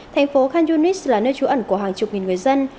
thành phố khan yunis là nơi trú ẩn của hàng chục nghìn người dân